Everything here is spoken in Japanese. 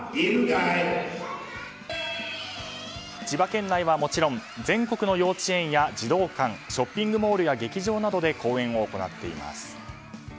千葉県内はもちろん全国の幼稚園や児童館、ショッピングモールや劇場などで公演を行っています。